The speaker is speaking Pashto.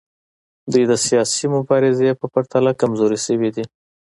دوی د سیاسي مبارزې په پرتله کمزورې شوي دي